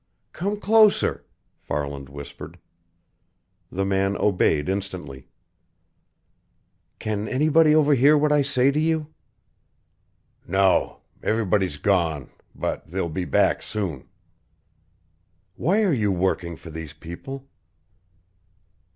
"Come closer," Farland whispered. The man obeyed instantly. "Can anybody overhear what I say to you?" "No. Everybody's gone but they'll be back soon." "Why are you working for these people?"